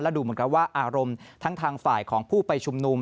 ดูเหมือนกับว่าอารมณ์ทั้งทางฝ่ายของผู้ไปชุมนุม